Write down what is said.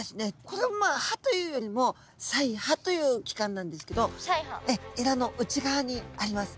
これはまあ歯というよりも鰓耙という器官なんですけどえらの内側にあります。